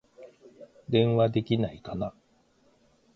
電話できないかな